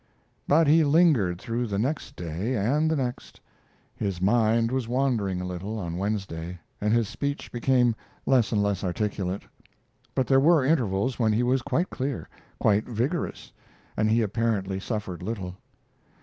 But he lingered through the next day and the next. His mind was wandering a little on Wednesday, and his speech became less and less articulate; but there were intervals when he was quite clear, quite vigorous, and he apparently suffered little.